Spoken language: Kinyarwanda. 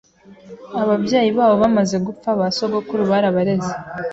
Ababyeyi babo bamaze gupfa, basogokuru barabareze.